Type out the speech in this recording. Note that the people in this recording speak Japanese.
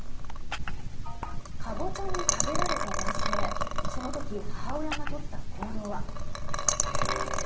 カボチャに食べられた男性その時母親がとった行動は。